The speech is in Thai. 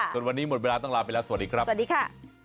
ส่วนวันนี้หมดเวลาต้องลาไปแล้วสวัสดีครับสวัสดีค่ะ